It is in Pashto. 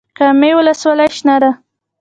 کامې ولسوالۍ شنه ده؟